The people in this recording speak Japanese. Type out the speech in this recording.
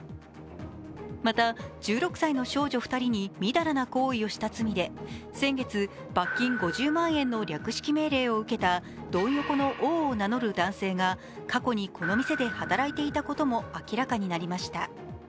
また１６歳の少女２人にみだらな行為をした罪で先月、罰金５０万円の略式命令を受けたドン横の王を名乗る男性が過去にこの店で働いていたことも明らかになりました。